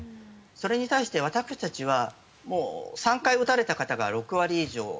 それに対して私たちはもう３回打たれた方が６割以上。